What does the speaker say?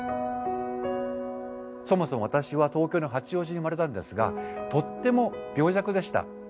そもそも私は東京の八王子に生まれたんですがとっても病弱でした。